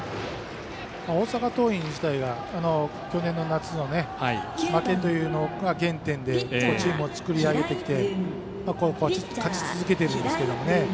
大阪桐蔭自体が去年の夏の負けというのが原点でチームを作り上げてきてこう勝ち続けてるんですけどね